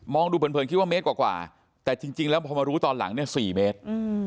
ดูเผินคิดว่าเมตรกว่าแต่จริงแล้วพอมารู้ตอนหลังเนี่ย๔เมตร